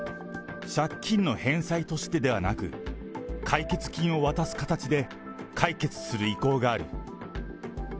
借金の返済としてではなく、解決金を渡す形で解決する意向がある。